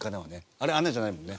あれ穴じゃないもんね。